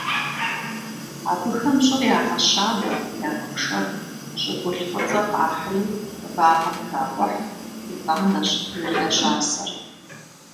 Абыхэм щӀыр ягъэщабэ, ягъэпшэр, щӀыгулъ фӀыцӀэ къахьри вагъэм тракъухь, итӀанэщ жылэ щасэр.